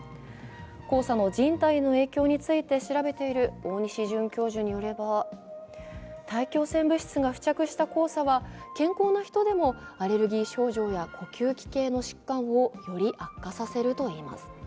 黄砂の人体への影響について調べている大西准教授によれば、大気汚染物質が付着した黄砂は健康な人でもアレルギー症状や呼吸器系の疾患をより悪化させるといいます。